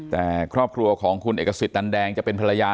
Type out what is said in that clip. แต่ครอบครัวของคุณเอกสิทธิ์ตันแดงจะเป็นภรรยา